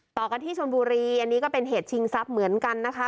ต่อกันที่ชนบุรีอันนี้ก็เป็นเหตุชิงทรัพย์เหมือนกันนะคะ